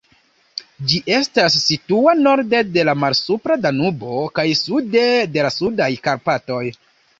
Ĝi estas situa norde de la Malsupra Danubo kaj sude de la Sudaj Karpatoj.